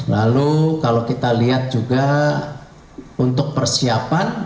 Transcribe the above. lalu kalau kita lihat juga untuk persiapan